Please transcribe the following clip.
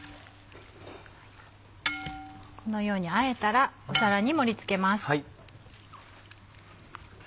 このようにあえたらお皿に盛り付けます。